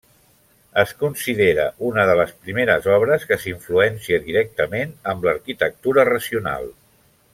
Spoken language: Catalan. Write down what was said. Es considera una de les primeres obres que s'influencia directament amb l'arquitectura racional.